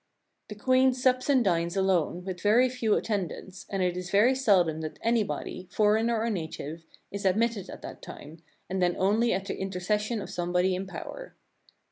"The Queen sups and dines alone with very few attend "ants, and it is very seldom that anybody, foreigner or native, "is admitted at that time, and then only at the intercession "of somebody in power."